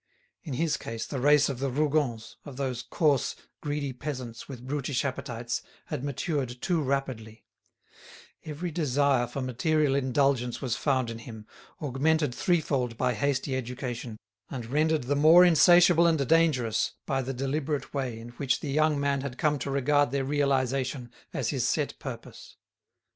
In his case the race of the Rougons, of those coarse, greedy peasants with brutish appetites, had matured too rapidly; every desire for material indulgence was found in him, augmented threefold by hasty education, and rendered the more insatiable and dangerous by the deliberate way in which the young man had come to regard their realisation as his set purpose.